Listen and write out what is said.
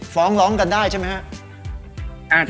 ฟ้องร้องกันได้ใช่ไหมครับ